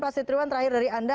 pak sitriwan terakhir dari anda